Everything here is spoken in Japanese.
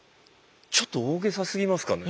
ちょっと大げさすぎますかね。